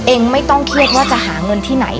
เองไม่ต้องเครียดว่าจะหาเงินที่ไหน